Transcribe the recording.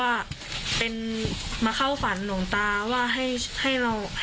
คือเค้ามีอะไรจะ